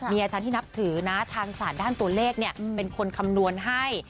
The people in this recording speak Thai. เมียฉันที่นับถือทางสายด้านตัวเลขเป็นคนคำนวณให้